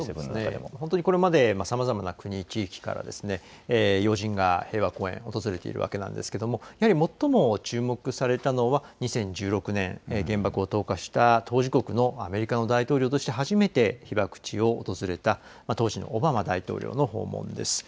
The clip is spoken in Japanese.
本当にこれまでさまざまな国、地域から要人が平和公園訪れているわけなんですけれども、やはり最も注目されたのは２０１６年、原爆を投下した当事国のアメリカの大統領として初めて被爆地を訪れた当時のオバマ大統領の訪問です。